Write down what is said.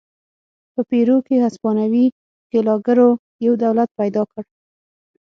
په پیرو کې هسپانوي ښکېلاکګرو یو دولت پیدا کړ.